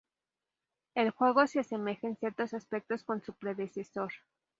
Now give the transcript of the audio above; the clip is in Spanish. El juego se asemeja en ciertos aspectos con su predecesor.